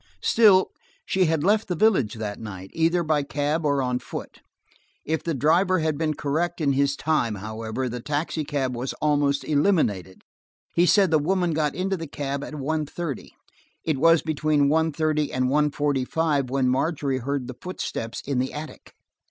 Still–she had left the village that night, either by cab or on foot. If the driver had been correct in his time, however, the taxicab was almost eliminated; he said the woman got into the cab at one thirty. It was between one thirty and one forty five when Margery heard the footsteps in the attic.